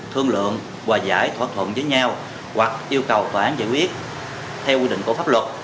thương lượng hòa giải thỏa thuận với nhau hoặc yêu cầu tòa án giải quyết theo quy định của pháp luật